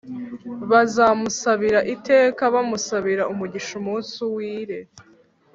bazamusabira iteka, bamusabira umugisha umunsi wire.